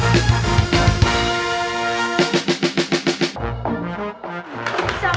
aduh aduh aduh